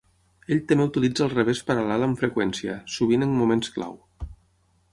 Ell també utilitza el revés paral·lel amb freqüència, sovint en moments clau.